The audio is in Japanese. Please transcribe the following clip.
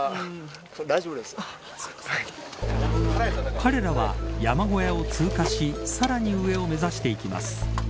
彼らは、山小屋を通過しさらに上を目指していきます。